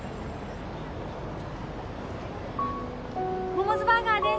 モモズバーガーです